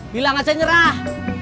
bila ngajak nyerah